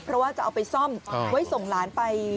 เพราะว่าจะเอาไปซ่อมไว้ส่งหลานไป